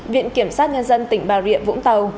viện kiểm sát nhân dân tỉnh bà rịa vũng tàu